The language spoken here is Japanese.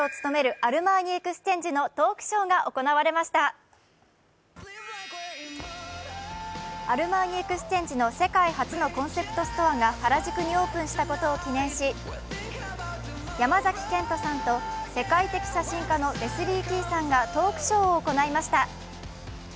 アルマーニエクスチェンジの世界初のコンセプトストアが原宿にオープンしたことを記念し山崎賢人さんと世界的写真家のレスリー・キーさんがトークショーを行いました。